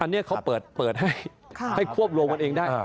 อันนี้เขาเปิดให้ควบรวมกันเองได้